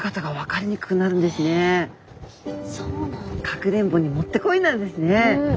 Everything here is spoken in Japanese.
かくれんぼにもってこいなんですね。